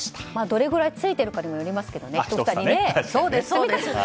どれぐらいついているかによりますけどね